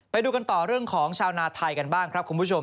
ไปดูกันต่อเรื่องของชาวนาไทยกันบ้างครับคุณผู้ชม